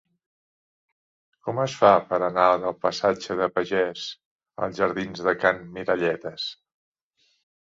Com es fa per anar del passatge de Pagès als jardins de Can Miralletes?